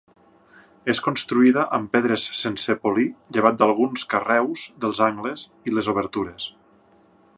És construïda amb pedres sense polir llevat d'alguns carreus dels angles i les obertures.